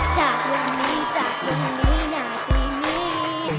จากวันนี้จากคุณนี้หน่าที่มี